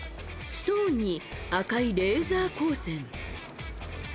ストーンに赤いレーザー光線。